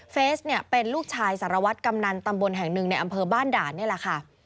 เฟสเนี่ยเป็นลูกชายสารวัตรกำนันตำบลแห่งหนึ่งในอำเภอบ้านด่านนี่แหละค่ะ